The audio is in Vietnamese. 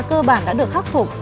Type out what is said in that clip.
cơ bản đã được khắc phục